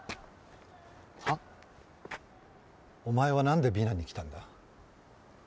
お前はなんで美南に来たんだ？